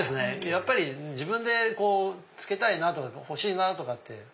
やっぱり自分で着けたいな欲しいなって。